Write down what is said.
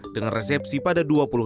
dengan resepsi pada dua puluh tiga